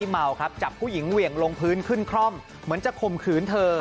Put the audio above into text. เมาครับจับผู้หญิงเหวี่ยงลงพื้นขึ้นคร่อมเหมือนจะข่มขืนเธอ